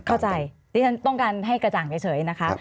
เข้าใจดิฉันต้องการให้กระจ่างเฉยนะคะ